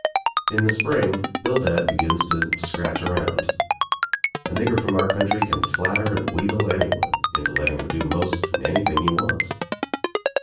In the spring Bildad begins to scratch around. A nigger from our country can flatter and wheedle anyone into letting him do most anything he wants.